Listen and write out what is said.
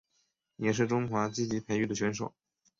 也是中华队积极培育的选手。